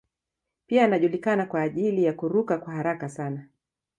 Pia anajulikana kwa ajili ya kuruka kwa haraka sana.